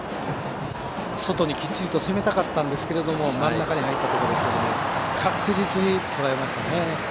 外にきっちり攻めたかったんですが真ん中に入ったところですけども確実にとらえましたね。